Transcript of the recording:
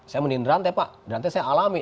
saya mau minum di rantai pak di rantai saya alami